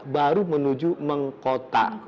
baru menuju mengkota